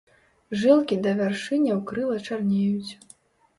Жылкі да вяршыняў крыла чарнеюць.